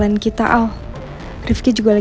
jadi udah arri brushes mampoku